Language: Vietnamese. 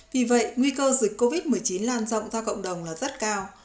vì vậy nguy cơ dịch covid một mươi chín lan rộng ra cộng đồng là rất cao